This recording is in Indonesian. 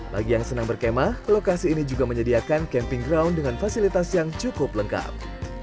bagi yang senang berkemah lokasi ini juga menyediakan camping ground dengan fasilitas yang cukup lengkap